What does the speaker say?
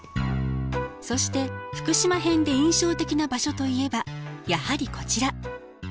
そして福島編で印象的な場所といえばやはりこちら。